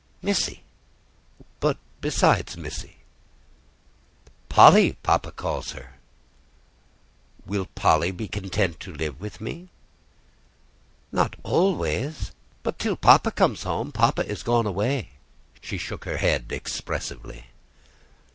"Missy." "But besides Missy?" "Polly, papa calls her." "Will Polly be content to live with me?" "Not always; but till papa comes home. Papa is gone away." She shook her head expressively.